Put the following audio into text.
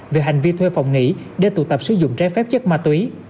về hành vi thuê phòng nghỉ để tụ tập sử dụng trái phép chất ma túy